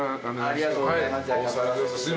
ありがとうございます。